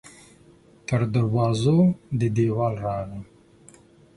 تر دروازو دې دیوال راغلی